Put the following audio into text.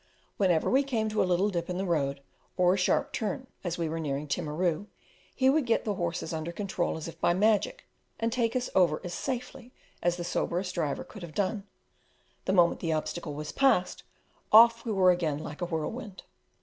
Whenever we came to a little dip in the road, or a sharp turn, as we were nearing Timaru, he would get the horses under control as if by magic, and take us over as safely as the soberest driver could have done; the moment the obstacle was passed, off we were again like a whirlwind!